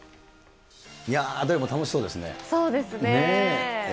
いやぁ、どれも楽しそうです